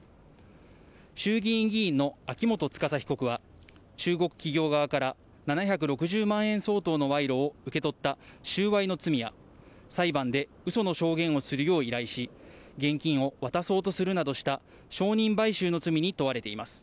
衆議院議員の秋元司被告は、中国企業側から７６０万円相当の賄賂を受け取った収賄の罪や、裁判でうその証言をするよう依頼し、現金を渡そうとするなどした、証人買収の罪に問われています。